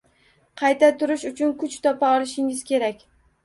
Qayta turish uchun kuch topa olishingiz kerak.